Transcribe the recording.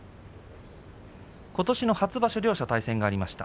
ことしの初場所、両者の対戦がありました。